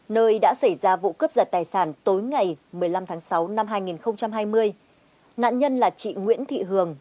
nơi đã xảy ra vụ cướp giật tài sản tối ngày một mươi năm tháng sáu năm hai nghìn hai mươi nạn nhân là chị nguyễn thị hường